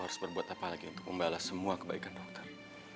apa yang harus saya lakukan lagi untuk membalas semua kebaikan dokter